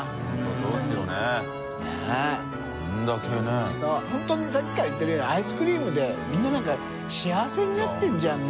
そう本当にさっきから言ってるようにアイスクリームでみんななんか幸せになってるじゃんね。